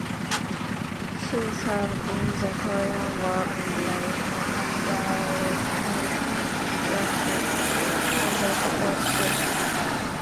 She served in the Korean War and later, after reconstruction, as a support ship.